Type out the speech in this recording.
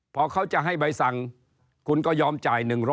พอเขาจะให้ใบสั่งคุณก็ยอมจ่าย๑๐๐